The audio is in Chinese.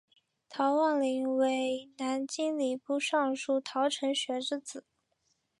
陶望龄为南京礼部尚书陶承学之子。